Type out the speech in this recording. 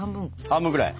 半分ぐらい。